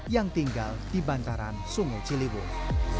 yang tinggal di bantaran sungai ciliwung